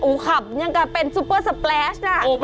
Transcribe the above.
โอ้โฮขับอย่างกับเป็นซูเปอร์สปแลชน่ะ